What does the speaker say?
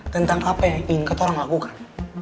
tentang apa yang ingin ketua orang lakukan